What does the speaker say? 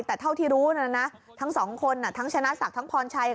แต่เท่าที่รู้นะนะทั้งสองคนทั้งชนะศักดิ์ทั้งพรชัย